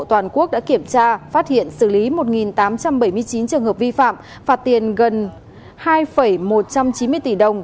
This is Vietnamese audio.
toàn quốc đã kiểm tra phát hiện xử lý một tám trăm bảy mươi chín trường hợp vi phạm phạt tiền gần hai một trăm chín mươi tỷ đồng